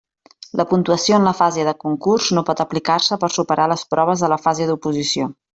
La puntuació en la fase de concurs no pot aplicar-se per superar les proves de la fase d'oposició.